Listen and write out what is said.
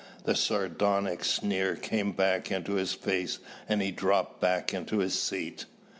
The sardonic sneer came back into his face and he dropped back into his seat.